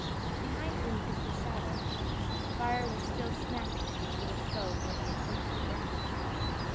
Behind him in the shadow, the fire was still snapping in the little stove where he had cooked his breakfast.